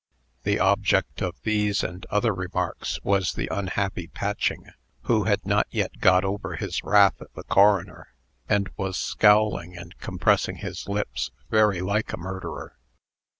The object of these and other remarks was the unhappy Patching, who had not yet got over his wrath at the coroner, and was scowling and compressing his lips very like a murderer.